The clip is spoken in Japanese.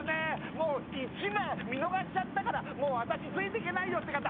もう１話見逃しちゃったからもう私ついていけないよって方